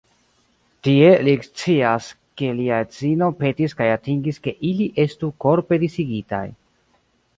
Tie li ekscias ke lia edzino petis kaj atingis ke ili estu "korpe disigitaj".